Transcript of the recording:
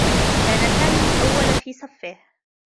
كان سامي الأوّل في صفّه.